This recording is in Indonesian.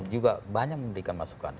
juga banyak memberikan masukan